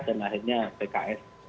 dan akhirnya pks